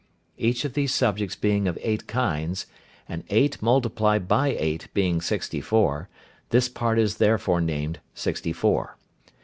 Each of these subjects being of eight kinds, and eight multiplied by eight being sixty four, this part is therefore named "sixty four."